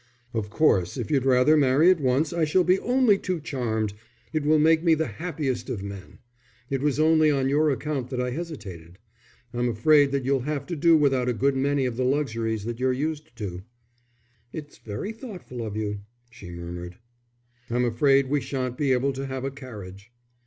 "Of course, if you'd rather marry at once, I shall be only too charmed. It will make me the happiest of men. It was only on your account that I hesitated. I'm afraid that you'll have to do without a good many of the luxuries that you're used to." "It's very thoughtful of you," she murmured. "I'm afraid we shan't be able to have a carriage."